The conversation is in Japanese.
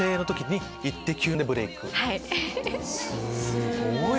すごい！